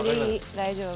大丈夫。